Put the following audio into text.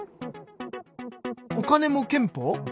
お金も憲法？